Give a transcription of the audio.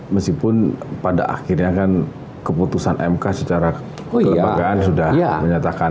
meskipun pada akhirnya kan keputusan mk secara kelembagaan sudah menyatakan